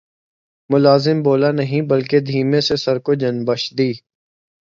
ملازم بولا نہیں بلکہ دھیمے سے سر کو جنبش دی